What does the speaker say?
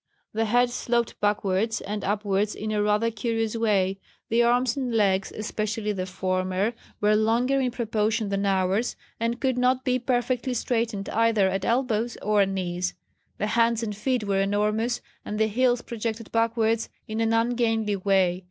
The head sloped backwards and upwards in a rather curious way. The arms and legs (especially the former) were longer in proportion than ours, and could not be perfectly straightened either at elbows or knees; the hands and feet were enormous, and the heels projected backwards in an ungainly way.